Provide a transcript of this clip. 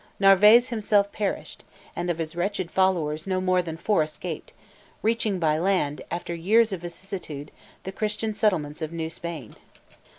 Narvaez himself perished, and of his wretched followers no more than four escaped, reaching by land, after years of vicissitude, the Christian settlements of New Spain.